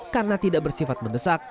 karena tidak bersifat mendesak